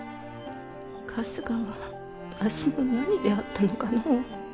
春日はわしの何であったのかの。